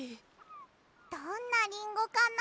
どんなリンゴかな。